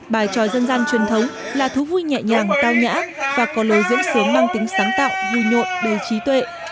bài tròi dân gian truyền thống là thú vui nhẹ nhàng tao nhã và có lối diễn sướng mang tính sáng tạo vui nhộn đầy trí tuệ